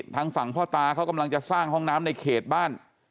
ทางฝั่งพ่อตาเขากำลังจะสร้างห้องน้ำในเขตบ้าน